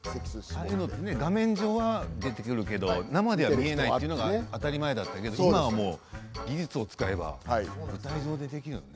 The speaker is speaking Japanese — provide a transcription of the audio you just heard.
画面上は出てくるけれども生では見えないのが当たり前だったけれども今は技術を使えば会場でできるよね。